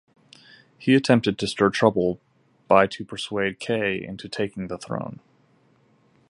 He attempted to stir trouble by to persuading Ke into taking the throne.